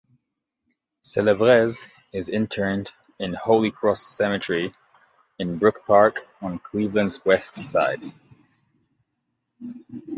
Celebrezze is interned in Holy Cross Cemetery in Brook Park on Cleveland's West Side.